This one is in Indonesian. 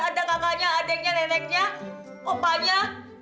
ada kakaknya adeknya neneknya opanya